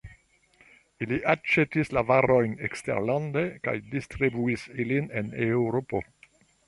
Ili aĉetis la varojn eksterlande kaj distribuis ilin en Eŭropo.